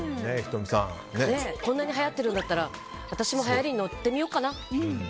こんなにはやってるんだったら私もはやりに乗ってみよっかな？